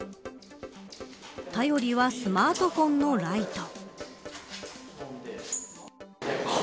頼りはスマートフォンのライト。